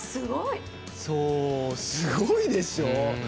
すごいでしょ！